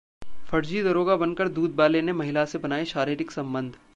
फर्जी दारोगा बनकर दूधवाले ने महिला से बनाए शारीरिक संबंध